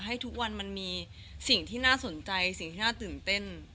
ให้ทุกวันมันมีสิ่งที่น่าสนใจสิ่งที่น่าตื่นเต้น